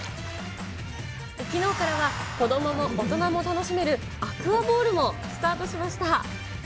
きのうからは、子どもも大人も楽しめるアクアボールもスタートしました。